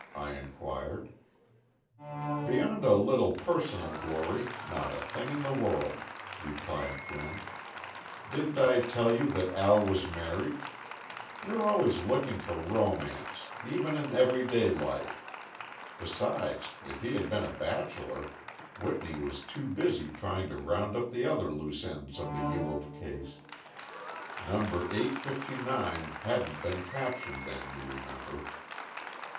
I inquired. "Beyond a little personal glory, not a thing in the world," replied Quinn. "Didn't I tell you that Al was married? You're always looking for romance, even in everyday life. Besides, if he had been a bachelor, Whitney was too busy trying to round up the other loose ends of the Ewald case. 'Number eight fifty nine' hadn't been captured then, you remember.